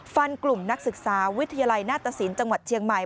กลุ่มนักศึกษาวิทยาลัยหน้าตสินจังหวัดเชียงใหม่